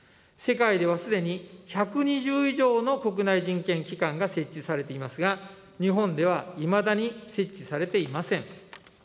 世界ではすでに１２０以上の国内人権機関が設置されていますが、日本ではいまだに設置されていません。